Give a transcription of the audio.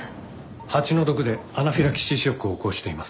蜂の毒でアナフィラキシーショックを起こしています。